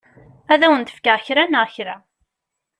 Ad awen-d-fkeɣ kra neɣ kra.